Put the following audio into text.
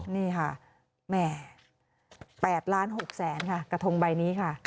นี่ค่ะแหม๘ล้าน๖แสนค่ะกระทงใบนี้ค่ะ